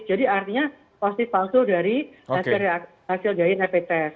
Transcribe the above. jadi artinya positif palsu dari hasil hasil jahit npdes